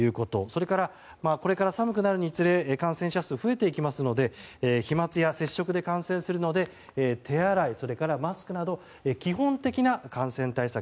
それからこれから寒くなるにつれ感染者数、増えていきますので飛沫や接触で感染するので手洗い、それからマスクなど基本的な感染対策